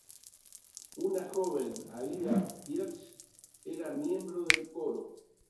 Una joven Aída Pierce era miembro del coro.